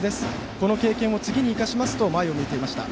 この経験を次に生かしますと前を向いていました。